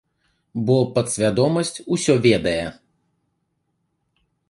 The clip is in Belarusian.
Бо падсвядомасць усё ведае.